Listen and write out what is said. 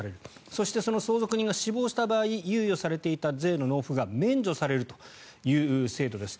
そしてその相続人が死亡した場合猶予されていた税の納付が免除されるという制度です。